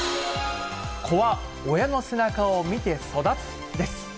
子は親の背中を見て育つです。